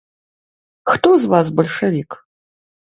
Хто з вас бальшавік?